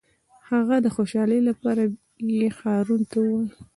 د هغه د خوشحالۍ لپاره یې هارون ته وویل.